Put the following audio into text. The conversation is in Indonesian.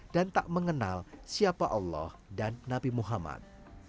dan tak mengenal siapa allah dan nabi muhammad